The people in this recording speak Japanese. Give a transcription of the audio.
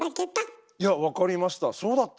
いや分かりました。